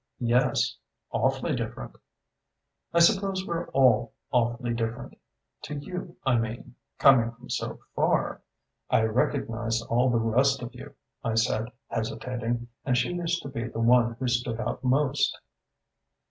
"Yes awfully different." "I suppose we're all awfully different. To you, I mean coming from so far?" "I recognized all the rest of you," I said, hesitating. "And she used to be the one who stood out most."